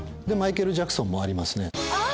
でマイケル・ジャクソンもありますね。